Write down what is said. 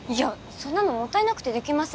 そんなのもったいなくてできません